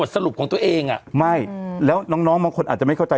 สรุปของตัวเองไม่แล้วน้องบางคนอาจจะไม่เข้าใจ